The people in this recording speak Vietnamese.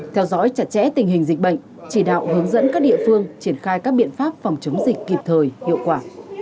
theo dõi chặt chẽ tình hình dịch bệnh chỉ đạo hướng dẫn các địa phương triển khai các biện pháp phòng chống dịch kịp thời hiệu quả